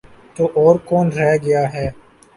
تو اور کون رہ گیا ہے؟